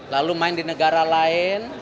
lalu main di negara lain